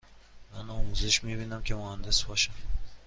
من آموزش می بینم که مهندس باشم.